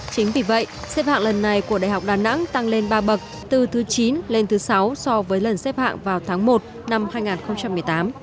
chính vì vậy xếp hạng lần này của đại học đà nẵng tăng lên ba bậc từ thứ chín lên thứ sáu so với lần xếp hạng vào tháng một năm hai nghìn một mươi tám